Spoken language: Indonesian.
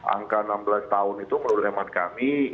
angka enam belas tahun itu menurut hemat kami